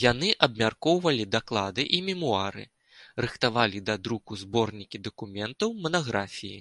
Яны абмяркоўвалі даклады і мемуары, рыхтавалі да друку зборнікі дакументаў, манаграфіі.